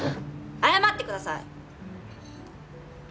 謝ってください！